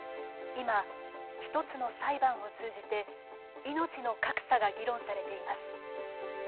今、１つの裁判を通じていのちの格差が議論されています。